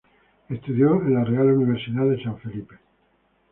Estudió en la Real Universidad de San Felipe.